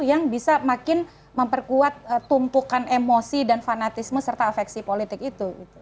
yang bisa makin memperkuat tumpukan emosi dan fanatisme serta afeksi politik itu